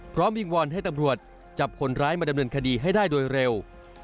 วิงวอนให้ตำรวจจับคนร้ายมาดำเนินคดีให้ได้โดยเร็ว